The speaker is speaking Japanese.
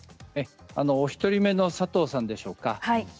１人目の佐藤さんでしょうか